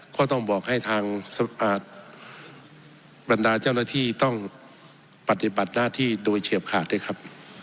ก็ต้องบอกให้ทางบรรดาเจ้าหน้าที่ต้องปฏิบัติหน้าที่โดยเฉียบขาดด้วยครับ